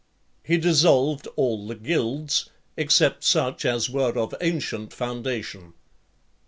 He dissolved all the guilds, except such as were of ancient foundation.